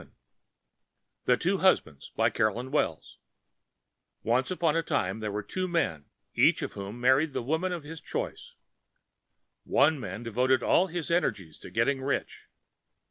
[Pg 587] THE TWO HUSBANDS BY CAROLYN WELLS Once on a Time there were Two Men, each of whom married the Woman of his Choice. One Man devoted all his Energies to Getting Rich.